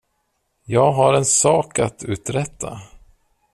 Jag har en sak att uträtta.